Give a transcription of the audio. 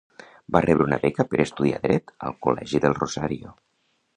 Va rebre una beca per estudiar dret al Colegio del Rosario.